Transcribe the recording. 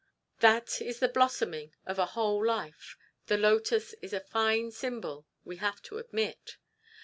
That is the blossoming of a whole life. The lotus is a fine symbol, we have to admit.